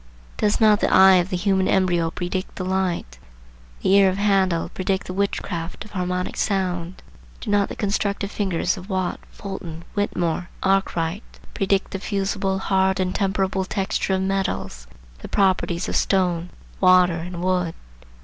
Does not the eye of the human embryo predict the light? the ear of Handel predict the witchcraft of harmonic sound? Do not the constructive fingers of Watt, Fulton, Whittemore, Arkwright, predict the fusible, hard, and temperable texture of metals, the properties of stone, water, and wood?